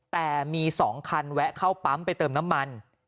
แต่มี๒คันแวะเข้าปั๊มไปเติมน้ำมัน